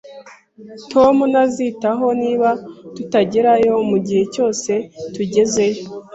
Tom ntazitaho niba tutagerayo mugihe cyose tugezeyo